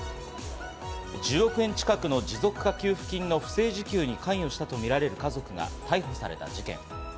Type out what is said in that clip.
１０億円近くの持続化給付金の不正受給に関与したとみられる家族が逮捕された事件。